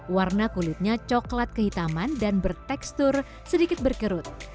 warna kulitnya coklat kehitaman dan bertekstur sedikit berkerut